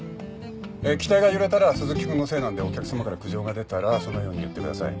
えー機体が揺れたら鈴木君のせいなんでお客さまから苦情が出たらそのように言ってください。